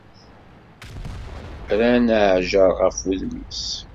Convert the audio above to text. Rran aɛjaṛ ɣef wudem-is.